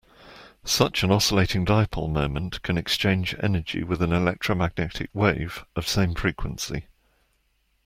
Such an oscillating dipole moment can exchange energy with an electromagnetic wave of same frequency.